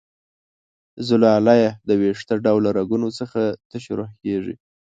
زلالیه د وېښته ډوله رګونو څخه ترشح کیږي.